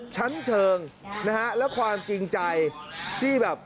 ชั้นเชิงนะฮะและความจริงใจที่แบบ